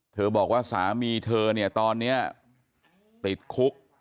เธอบอกว่าสามีเธอตอนนี้ติดคุก